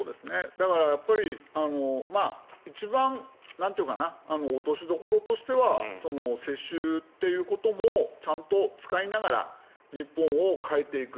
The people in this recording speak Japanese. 一番落としどころとしては世襲ということもちゃんと使いながら日本を変えていく。